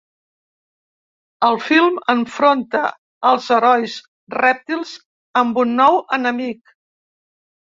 El film enfronta els herois rèptils amb un nou enemic.